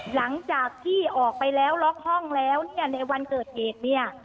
หลังจากที่ออกไปแล้วล็อกห้องแล้วเนี่ยในวันเกิดเหตุเนี่ย